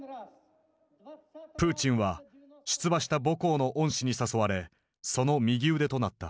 プーチンは出馬した母校の恩師に誘われその右腕となった。